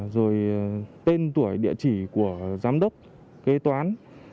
rồi tên tuổi địa chỉ của giám đốc kế toán